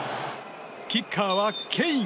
キッカーはケイン。